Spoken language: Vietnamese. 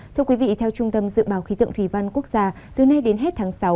thưa quý vị theo trung tâm dự báo khí tượng thủy văn quốc gia từ nay đến hết tháng sáu